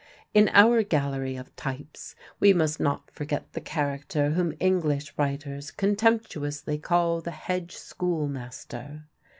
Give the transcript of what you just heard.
In our gallery of types we must not forget the character whom English writers contemptuously called the "hedge schoolmaster."